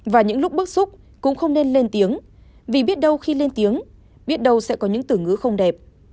và những lúc bức xúc cũng không nên lên tiếng vì biết đâu khi lên tiếng biết đâu sẽ có những từ ngữ không đẹp